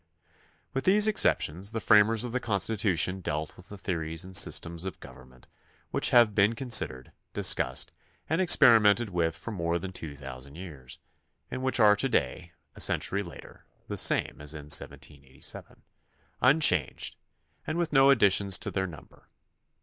With these exceptions the framers of the Constitu tion dealt with the theories and systems of government which have been considered, discussed, and experi mented with for more than two thousand years, and which are to day, a century later, the same as in 1787, unchanged and with no additions to their number.